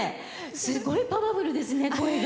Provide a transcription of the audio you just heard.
すごいパワフルですね、声が。